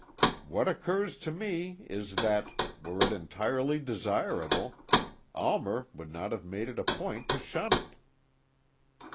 What occurs to me is that, were it entirely desirable, Almer would not have made it a point to shun it."